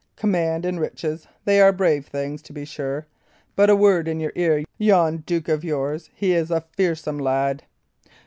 Command and riches, they are brave things, to be sure; but a word in your ear yon duke of yours, he is a fearsome lad."